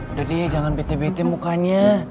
udah deh jangan bete beti mukanya